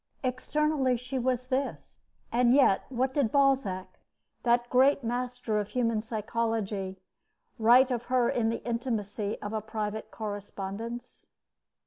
Externally she was this, and yet what did Balzac, that great master of human psychology, write of her in the intimacy of a private correspondence?